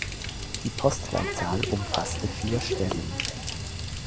Die Postleitzahl umfasste vier Stellen.